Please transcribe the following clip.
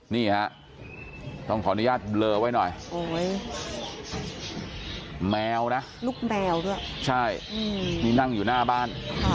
นี่ฮะต้องขออนุญาตเบลอไว้หน่อยแมวนะลูกแมวด้วยใช่นี่นั่งอยู่หน้าบ้าน